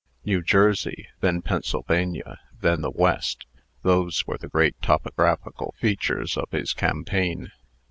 New Jersey, then Pennsylvania, then the West those were the great topographical features of his campaign.